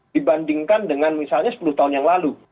dibandingkan dengan misalnya sepuluh tahun yang lalu